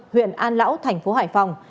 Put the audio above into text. huyện an lão thành phố hải phòng